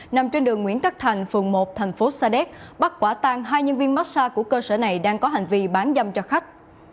nằm trên đường nguyễn tất thành phường một thành phố sa đéc bắt quả tang hai nhân viên massag của cơ sở này đang có hành vi bán dâm cho khách